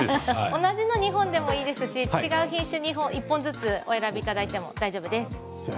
同じ２本でもいいですし違う品種を１本ずつお選びいただいても大丈夫です。